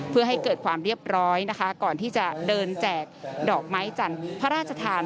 เพื่อให้เกิดความเรียบร้อยนะคะก่อนที่จะเดินแจกดอกไม้จันทร์พระราชทาน